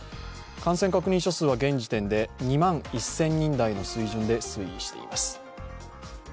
感染確認者数は現時点で２万１０００人台の水準で推移しています。